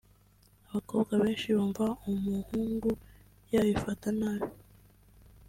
Abakobwa benshi bumva umuhungu yabifata nabi